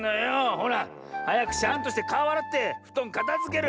ほらはやくシャンとしてかおあらってふとんかたづける！